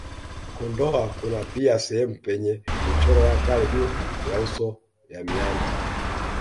Kondoa kuna pia sehemu penye michoro ya kale juu ya uso ya miamba